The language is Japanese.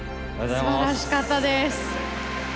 すばらしかったです。